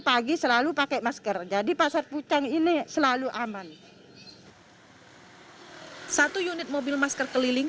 pagi selalu pakai masker jadi pasar pucang ini selalu aman hai satu unit mobil masker keliling